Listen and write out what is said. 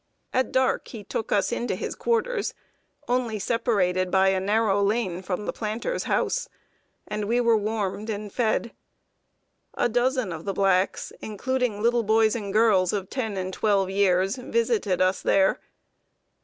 At dark he took us into his quarters, only separated by a narrow lane from the planter's house, and we were warmed and fed. A dozen of the blacks including little boys and girls of ten and twelve years visited us there.